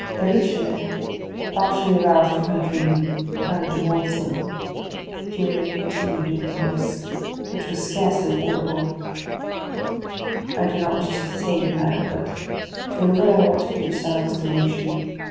Déruchette, partially aroused from her dream, turned towards him. Gilliatt continued, in a voice which was scarcely audible: "I do not wish to detain you, madam, but I feel that I ought to give you some explanation.